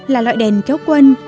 là loại đèn kéo quân